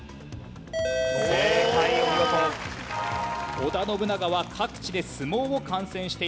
織田信長は各地で相撲を観戦しています。